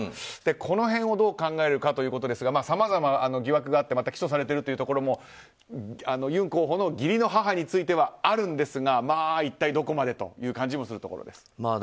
この辺をどう考えるかですがさまざま疑惑があって起訴されているところもユン候補の義理の母についてはあるんですが一体どこまで？という感じもするところです。